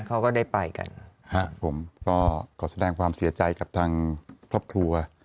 เขาก็ได้ไปกันครับผมก็ขอแสดงความเสียใจกับทางครอบครัว